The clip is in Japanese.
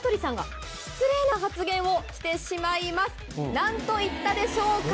何と言ったでしょうか？